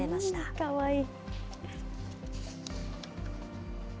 かわいい。